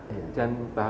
dan juga untuk kesehatan